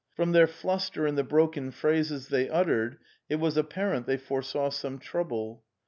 From their fluster and the broken phrases they uttered it was apparent they foresaw some trouble.